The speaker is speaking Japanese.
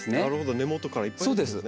根元からいっぱい出るんですね。